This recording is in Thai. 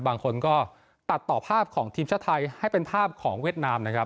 บางคนก็ตัดต่อภาพของทีมชาติไทยให้เป็นภาพของเวียดนามนะครับ